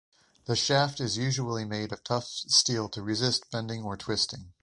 The shaft is usually made of tough steel to resist bending or twisting.